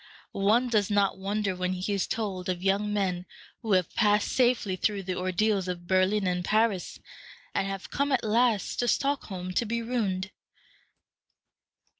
One does not wonder when he is told of young men who have passed safely through the ordeals of Berlin and Paris, and have come at last to Stockholm to be ruined.